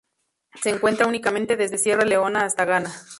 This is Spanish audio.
Se encuentra únicamente desde Sierra Leona hasta Ghana.